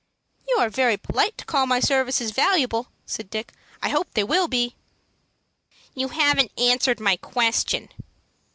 "You are very polite to call my services valuable," said Dick. "I hope they will be." "You haven't answered my question."